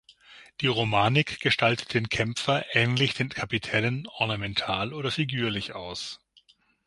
Die Romanik gestaltet den Kämpfer ähnlich den Kapitellen ornamental oder figürlich aus.